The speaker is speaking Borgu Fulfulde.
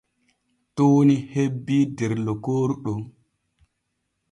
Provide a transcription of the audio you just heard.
Tuuni hebbii der lokooru ɗon.